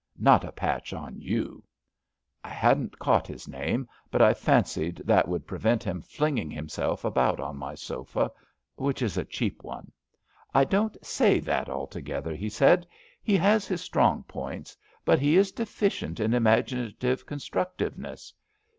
Not a patch on you/' I hadn't caught his name, but I fancied that would prevent him flinging himself about on my sofa, which is a cheap one. ^^ I don't say that alto gether,'' he said. '* He has his strong points. But he is deficient in imaginative constructiveness.